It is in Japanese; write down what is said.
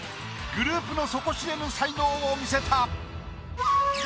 グループの底知れぬ才能を見せた。